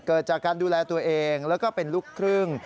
เกิดจากการดูแลตัวเองแล้วก็เป็นลูกครึ่ง